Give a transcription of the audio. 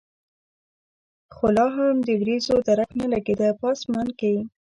خو لا هم د ورېځو درک نه لګېده په اسمان کې.